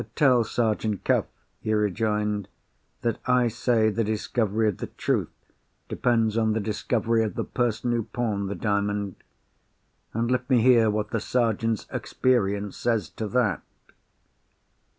"Tell Sergeant Cuff," he rejoined, "that I say the discovery of the truth depends on the discovery of the person who pawned the Diamond. And let me hear what the Sergeant's experience says to that."